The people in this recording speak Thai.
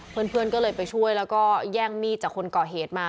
เพื่อนก็เลยไปช่วยแล้วก็แย่งมีดจากคนก่อเหตุมา